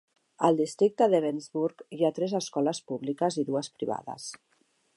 Al districte d'Ebensburg hi ha tres escoles públiques i dues privades